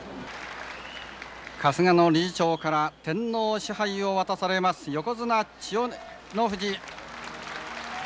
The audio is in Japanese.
春日野理事長から天皇賜盃を渡されます横綱千代の富士。